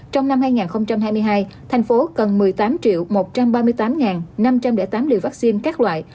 trong năm hai nghìn hai mươi hai thành phố cần một mươi tám một trăm ba mươi tám năm trăm linh tám liều vaccine các loại